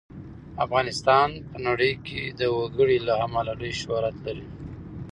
افغانستان په نړۍ کې د وګړي له امله لوی شهرت لري.